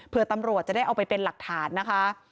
เพื่อตำรวจจะได้เอาไปเป็นหลักฐานนะคะ